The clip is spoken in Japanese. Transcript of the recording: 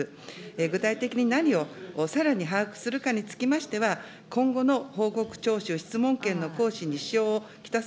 具体的に何をさらに把握するかにつきましては、今後の報告徴収、質問権の行使に支障を来たす